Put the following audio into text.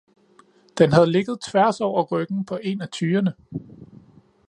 Den havde ligget tværs over ryggen på en af tyrene.